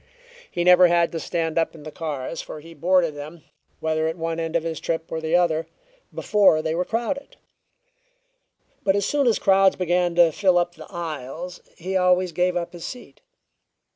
He never had to stand up in the cars, for he boarded them, whether at one end of his trip or the other, before they were crowded; but as soon as crowds began to fill up the aisles he always gave up his seat.